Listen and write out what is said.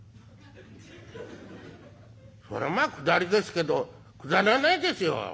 「そりゃまあ下りですけどくだらないですよ。